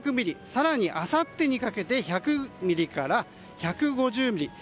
更に、あさってにかけて１００ミリから１５０ミリ。